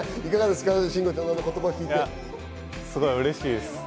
すごいうれしいです。